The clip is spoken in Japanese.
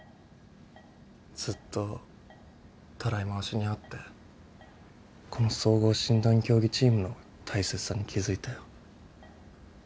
ずっとたらい回しに遭ってこの総合診断協議チームの大切さに気付いたよ。